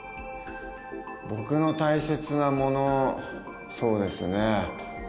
僕の大切なものそうですね。